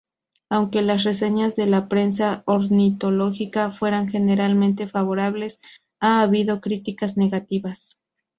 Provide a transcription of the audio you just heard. Aunque las reseñas de la prensa ornitológica fueron generalmente favorables, ha habido críticas negativas.